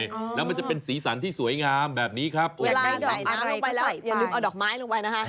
แล้วมันจะเป็นสีสันที่สวยงามแบบนี้ครับเวลาได้ดอกน้ำลงไปแล้วอย่าลืมเอาดอกไม้ลงไปนะคะ